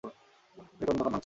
এ দোকান কেন ভাঙতেছিস?